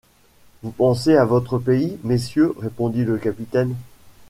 Vous pensez à votre pays, messieurs, répondit le capitaine